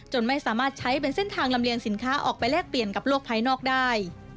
ไม่สามารถใช้เป็นเส้นทางลำเลียงสินค้าออกไปแลกเปลี่ยนกับโลกภายนอกได้